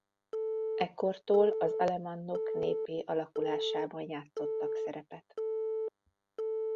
Ekkortól az alemannok néppé alakulásában játszottak szerepet.